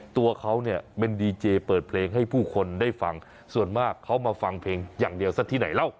ตัวเขาเนี่ยเป็นดีเจเปิดเพลงให้ผู้คนได้ฟังส่วนมากเขามาฟังเพลงอย่างเดียวซะที่ไหนเล่า